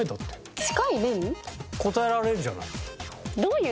近い麺？答えられるじゃない。